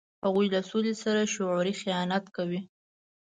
هغوی له سولې سره شعوري خیانت کوي.